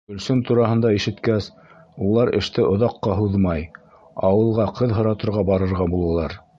Гөлсөм тураһында ишеткәс, улар эште оҙаҡҡа һуҙмай, ауылға ҡыҙ һоратырға барырға булалар.